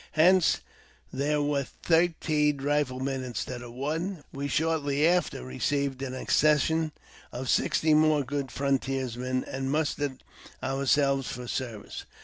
Hence there were thirteen riflemen instead of one. We shortly afterwards received an accession of sixty more good frontiersmen, and mustered ourselves for service.